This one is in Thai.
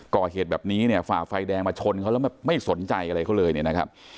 ก่อเหตุแบบนี้ฝ่าไฟแดงมาชนเขาแล้วไม่สนใจอะไรเขาเลยนะครับ